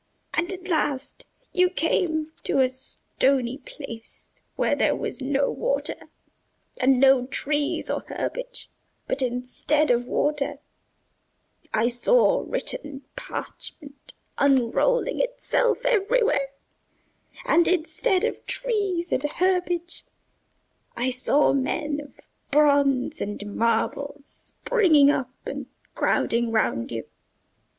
And at last you came to a stony place where there was no water, and no trees or herbage; but instead of water, I saw written parchment unrolling itself everywhere, and instead of trees and herbage I saw men of bronze and marble springing up and crowding round you.